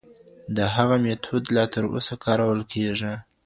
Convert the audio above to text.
د هغه ميتود لا تر اوسه کارول کيږي.